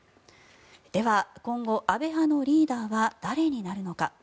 では今後、安倍派のリーダーは誰になるのか。